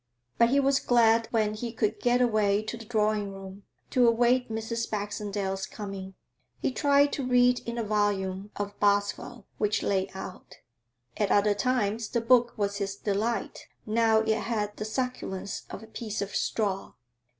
But he was glad when he could get away to the drawing room, to await Mrs. Baxendale's coming. He tried to read in a volume of Boswell which lay out; at other times the book was his delight, now it had the succulence of a piece of straw.